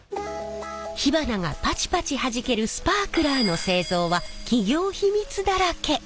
火花がパチパチはじけるスパークラーの製造は企業秘密だらけ！